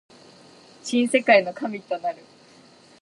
新世界の神となる